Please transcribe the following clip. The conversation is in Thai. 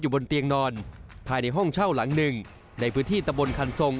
บนเตียงนอนภายในห้องเช่าหลังหนึ่งในพื้นที่ตะบนคันทรง